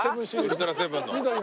『ウルトラセブン』の。